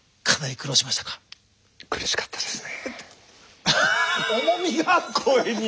「苦しかったですね」。